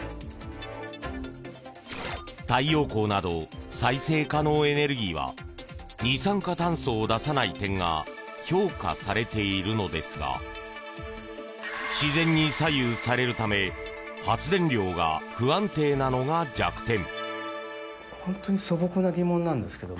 太陽光など再生可能エネルギーは二酸化炭素を出さない点が評価されているのですが自然に左右されるため発電量が不安定なのが弱点。